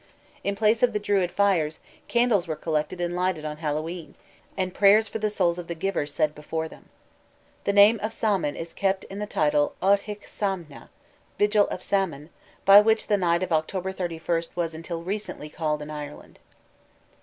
In place of the Druid fires, candles were collected and lighted on Hallowe'en, and prayers for the souls of the givers said before them. The name of Saman is kept in the title "Oidhche Shamhna," "vigil of Saman," by which the night of October 31st was until recently called in Ireland.